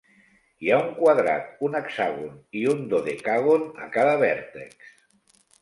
Hi ha un quadrat, un hexàgon i un dodecàgon a cada vèrtex.